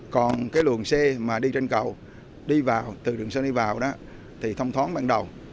còn cái lượng xe mà đi trên cầu đi vào từ đường sân đi vào đó thì thông thoáng ban đầu